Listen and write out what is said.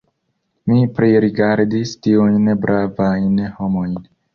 Mi pririgardis tiujn bravajn homojn.